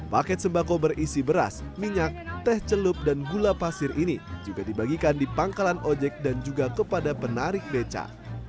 paket sembako berisi beras minyak teh celup dan gula pasir ini juga dibagikan di pangkalan ojek dan juga kepada penarik beca